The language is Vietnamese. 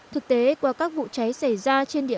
thực tế qua các vụ cháy xảy ra trên các doanh nghiệp